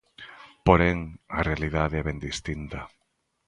Porén, a realidade é ben distinta.